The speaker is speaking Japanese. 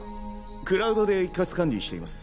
クラウドで一括管理しています。